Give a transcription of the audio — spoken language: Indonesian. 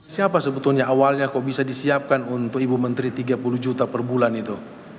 siapa sebetulnya awalnya kok bisa disiapkan untuk ibu menteri tiga puluh juta per bulan itu